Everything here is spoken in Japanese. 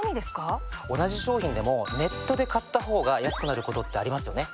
同じ商品でもネットで買ったほうが安くなることってありますよね？